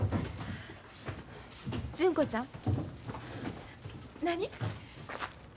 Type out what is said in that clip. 純子ちゃん。何？